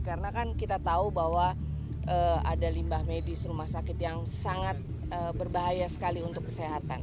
karena kan kita tahu bahwa ada limbah medis rumah sakit yang sangat berbahaya sekali untuk kesehatan